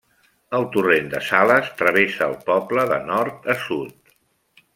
El Torrent de Sales travessa el poble de nord a sud.